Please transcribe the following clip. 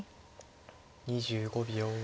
２５秒。